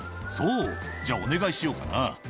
「そうじゃあお願いしようかな」